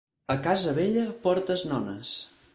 A casa vella, portes nones.